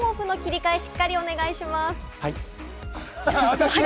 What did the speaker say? はい。